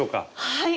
はい！